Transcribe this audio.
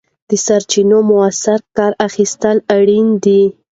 د سرچینو مؤثره کار اخیستل اړین دي.